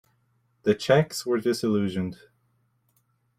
The Czechs were disillusioned.